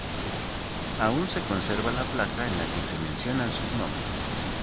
Aún se conserva la placa en la que se mencionan sus nombres.